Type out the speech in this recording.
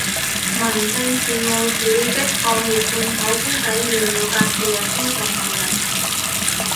民政事務署啲抗疫罐頭公仔麵要隔四日先送到嚟